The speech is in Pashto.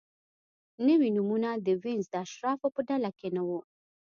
نوي نومونه د وینز د اشرافو په ډله کې نه وو.